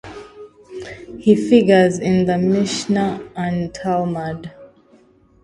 He figures in the Mishnah and Talmud.